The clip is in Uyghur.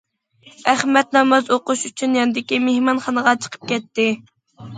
ئەخمەت ناماز ئوقۇش ئۈچۈن ياندىكى مېھمانخانىغا چىقىپ كەتتى.